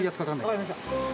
分かりました。